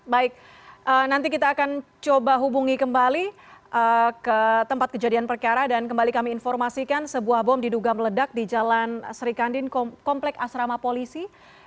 baik nanti kita akan coba hubungi kembali ke tempat kejadian perkara dan kembali kami informasikan sebuah bom diduga meledak di jalan serikandin kompleks asrama polisi